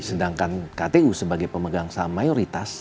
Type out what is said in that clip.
sedangkan kpu sebagai pemegang saham mayoritas